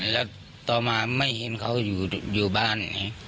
แล้วต่อมาไม่เห็นเขาอยู่บ้านไง